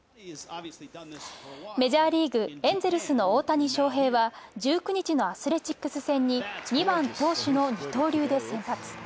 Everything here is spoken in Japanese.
メジャーリーグ・エンゼルスの大谷翔平は１９日のアスレチックス戦に「２番・投手」の二刀流で先発。